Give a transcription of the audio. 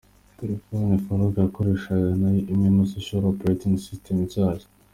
Telefoni Farook yakoreshaga nayo ni imwe muzikoresha operating system nshyashya.